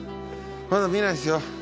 まだ見ないですよ。